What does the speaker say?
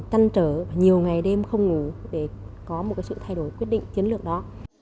căn trở nhiều ngày đêm không ngủ để có một sự thay đổi quyết định chiến lược đó